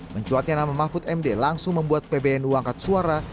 mencuatnya nama mahfud md langsung membuat pbnu angkat suara